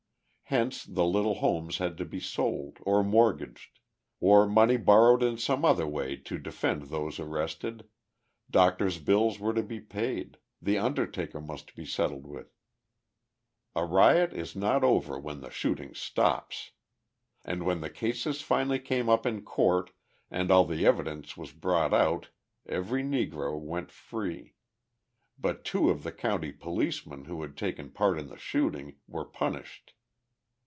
Hence the little homes had to be sold or mortgaged, or money borrowed in some other way to defend those arrested, doctors' bills were to be paid, the undertaker must be settled with. A riot is not over when the shooting stops! And when the cases finally came up in court and all the evidence was brought out every Negro went free; but two of the county policemen who had taken part in the shooting, were punished.